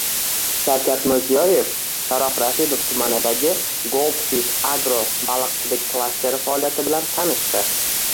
Shavkat Mirziyoyev Sharof Rashidov tumanidagi Gold Fish Agro baliqchilik klasteri faoliyati bilan tanishdi